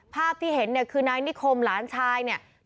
ภาพที่เห็นเนี่ยคือนายนิคมหลานชายเนี่ย